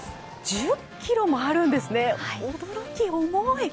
１０ｋｇもあるんですね、驚き、重い。